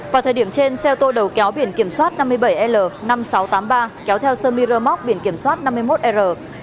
vào thời điểm trên xe ô tô đầu kéo biển kiểm soát năm mươi bảy l năm nghìn sáu trăm tám mươi ba kéo theo sơ miramoc biển kiểm soát năm mươi một r một mươi ba nghìn hai trăm ba mươi một